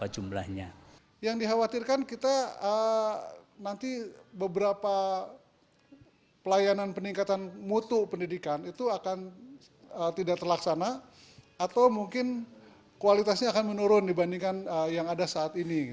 jumlahnya yang dikhawatirkan kita nanti beberapa pelayanan peningkatan mutu pendidikan itu akan tidak terlaksana atau mungkin kualitasnya akan menurun dibandingkan yang ada saat ini